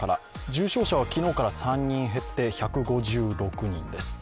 重症者は昨日から３人減って１５６人です。